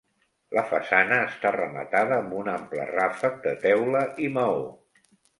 La façana està rematada amb un ample ràfec de teula i maó.